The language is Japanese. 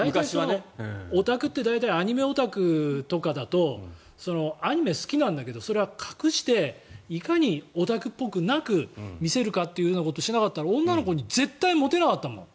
大体アニメオタクとかだとアニメが好きなんだけどそれは隠していかにオタクっぽくなく見せるかということをしなかったら女の子に絶対モテなかったもん。